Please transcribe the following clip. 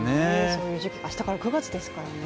そういう時期、明日から９月ですからね。